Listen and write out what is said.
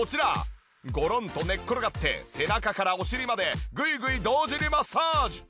ごろんと寝っ転がって背中からお尻までグイグイ同時にマッサージ。